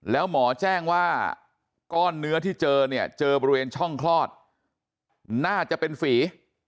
แล้วหมอแจ้งว่าก้อนเนื้อที่เจอเนี่ยเจอบริเวณช่องคลอดน่าจะเป็นฝี